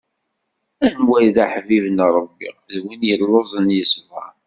Anwa i d aḥbib n Ṛebbi, d win yelluẓen yesbeṛ.